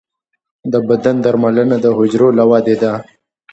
د بدن درملنه د حجرو له ودې ده.